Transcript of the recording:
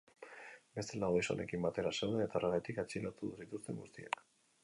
Beste lau gizonekin batera zeuden, eta horregatik atxilotu zituzten guztiak.